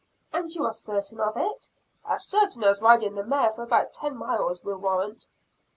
"And you are certain of it?" "As certain as riding the mare for about ten miles will warrant."